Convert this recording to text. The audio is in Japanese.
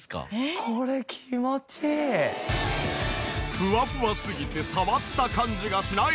フワフワすぎて触った感じがしない！？